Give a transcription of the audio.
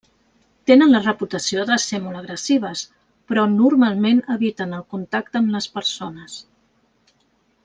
Tenen la reputació de ser molt agressives però normalment eviten el contacte amb les persones.